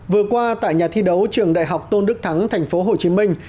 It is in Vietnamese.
vừa qua tại nhà thi đấu trường đại học tôn đức thắng thành phố hồ chí minh